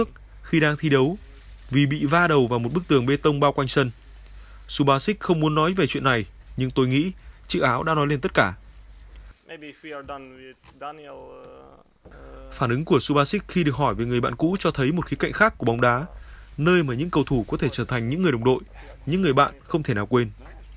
phản ứng của subasik khi được hỏi về người bạn cũ cho thấy một khí cạnh khác của bóng đá nơi mà những cầu thủ có thể trở thành những người đồng đội những người bạn không thể nào quên